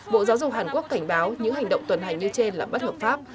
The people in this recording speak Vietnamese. bộ giáo dục hàn quốc cảnh báo những hành động tuần hành như trên là bất hợp pháp